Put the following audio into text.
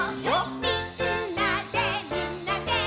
「みんなでみんなで」